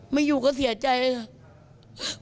ไม่อยู่ก็เสียใจค่ะ